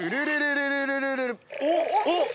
おっ！